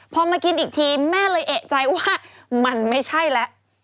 พอมากินอีกทีแม่เลยเอกใจว่ามันไม่ใช่แล้ว